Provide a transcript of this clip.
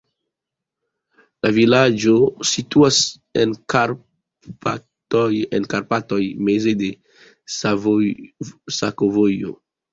La vilaĝo situas en Karpatoj, meze de sakovojo.